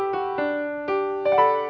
sampai jumpa lagi